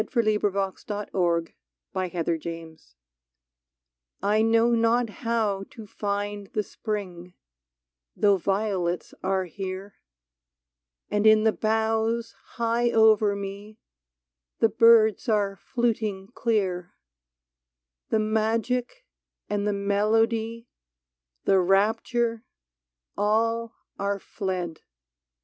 47 I KNOW NOT HOW TO FIND THE SPRING T KNOW not how to find the Spring, Though violets are here, And in the boughs high over me The birds are fluting clear ; The magic and the melody, The rapture — all are fled.